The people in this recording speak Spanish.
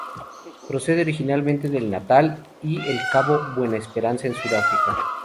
Procede originalmente del Natal y el Cabo de Buena Esperanza, en Sudáfrica.